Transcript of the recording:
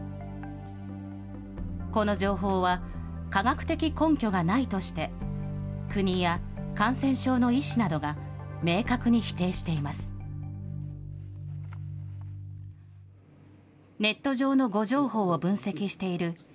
この情報は科学的根拠がないとして、国や感染症の医師などが明確に否定しています。